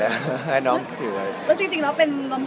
แล้วจริงเป็นลำโพงส่วนตัวของต้นหรือครับ